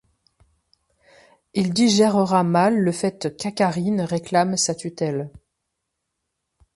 Il digérera mal le fait qu'Akkarin réclame sa tutelle.